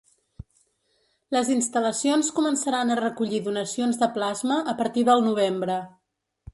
Les instal·lacions començaran a recollir donacions de plasma a partir del novembre.